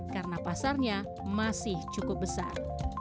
karena pasarnya masih cukup besar